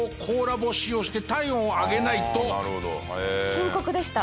深刻でした。